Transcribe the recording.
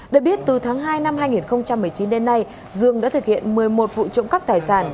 được biết từ tháng hai năm hai nghìn một mươi chín đến nay dương đã thực hiện một mươi một vụ trộm cắp tài sản